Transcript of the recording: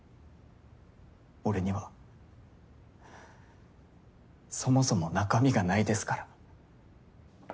俺にはそもそも中身がないですから。